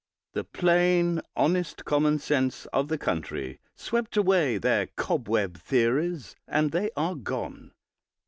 The plain, honest, common sense of the country swept away their cobweb theories, and they are gone.